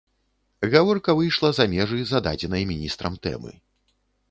Гаворка выйшла за межы зададзенай міністрам тэмы.